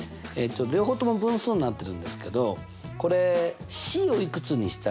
両方とも分数になってるんですけどｃをいくつにする？